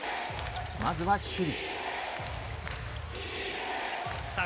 まずは守備。